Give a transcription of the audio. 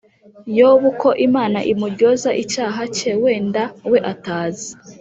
yobu ko imana imuryoza icyaha cye wenda we atazi”